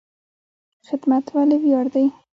خدمت ولې ویاړ دی؟